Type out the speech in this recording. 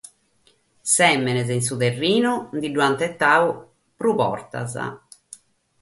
Sèmenes in su terrinu bi nd'ant ghetadu a prus bias.